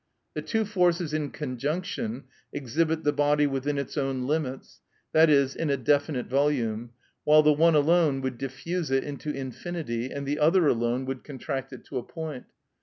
The two forces in conjunction exhibit the body within its own limits, that is, in a definite volume, while the one alone would diffuse it into infinity, and the other alone would contract it to a point.